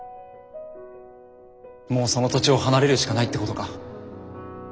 もうその土地を離れるしかないってことか。